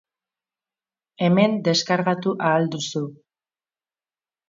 Hemen deskargatu ahal duzu.